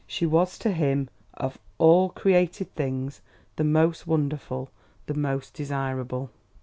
She was to him of all created things the most wonderful, the most desirable.